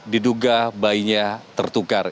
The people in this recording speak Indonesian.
diduga bayinya tertukar